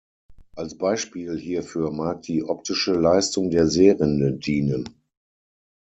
Als Beispiel hierfür mag die optische Leistung der Sehrinde dienen.